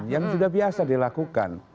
yang sudah biasa dilakukan